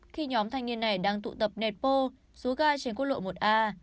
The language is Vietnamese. khi nhóm thanh niên này đang tụ tập netpo dù ca trên quốc lộ một a